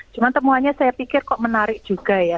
cuma temuannya saya pikir kok menarik juga ya